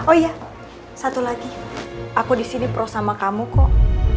oh iya satu lagi aku disini pro sama kamu kok